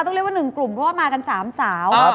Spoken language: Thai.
ต้องเรียกว่า๑กลุ่มเพราะว่ามากัน๓สาว